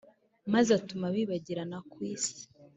maze atuma bibagirana ku isi